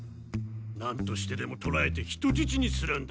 なんとしてでもとらえて人質にするんだ。